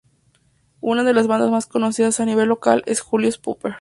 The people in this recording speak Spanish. Una de las bandas más conocidas a nivel local es Julius Popper.